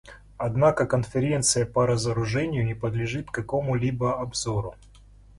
Однако Конференция по разоружению не подлежит какому-либо обзору.